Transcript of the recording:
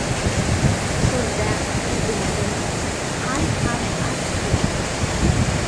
So‘zda fikrgina emas, qalb ham aks etib turadi.